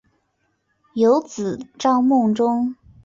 有子张孟中。